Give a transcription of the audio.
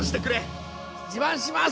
自慢します！